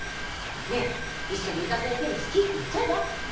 ねえいっそ竜太先生に「好き」って言っちゃえば？